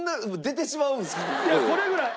いやこれぐらい。